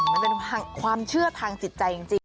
มันเป็นความเชื่อทางจิตใจจริง